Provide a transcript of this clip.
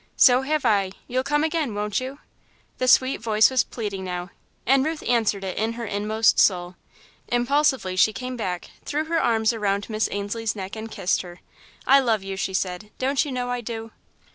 "So have I you'll come again, won't you?" The sweet voice was pleading now, and Ruth answered it in her inmost soul. Impulsively, she came back, threw her arms around Miss Ainslie's neck, and kissed her. "I love you," she said, "don't you know I do?"